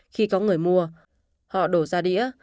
khi có người mua họ đổ ra đĩa